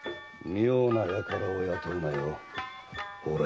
妙な輩を雇うなよ。